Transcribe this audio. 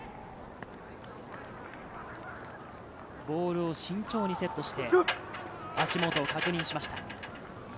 ボールを慎重にセットして、足元を確認しました。